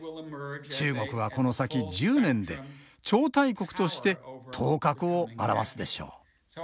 中国はこの先１０年で超大国として頭角を現すでしょう。